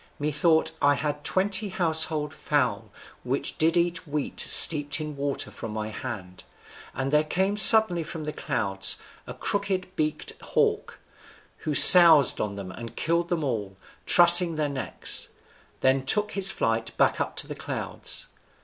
Methought I had twenty household fowl which did eat wheat steeped in water from my hand, and there came suddenly from the clouds a crooked beaked hawk, who soused on them and killed them all, trussing their necks; then took his flight back up to the clouds.